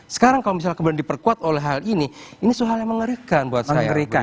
sekarang kalau misalnya kemudian diperkuat oleh hal ini ini soal yang mengerikan buat mereka